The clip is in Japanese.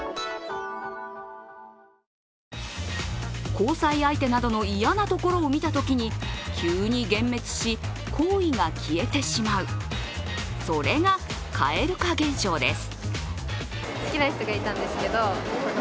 交際相手などの嫌なところを見たときに急に幻滅し、好意が消えてしまうそれが蛙化現象です。